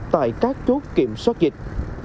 tại các chốt kiểm soát dịch